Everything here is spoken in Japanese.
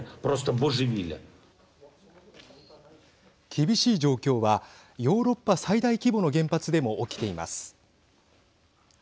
厳しい状況はヨーロッパ最大規模の原発でも起きています。